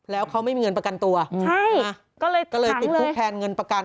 แล้วเขาไม่มีเงินประกันตัวก็เลยติดคุกแทนเงินประกัน